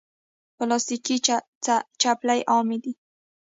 پلاستيکي چپلی عامې دي.